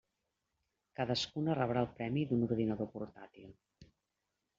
Cadascuna rebrà el premi d'un ordinador portàtil.